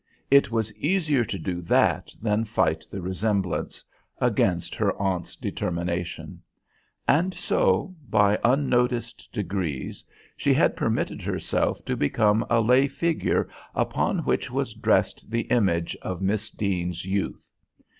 It was easier to do that than fight the resemblance, against her aunt's determination; and so, by unnoticed degrees, she had permitted herself to become a lay figure upon which was dressed the image of Miss Deane's youth.